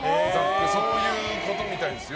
そういうことみたいですよ。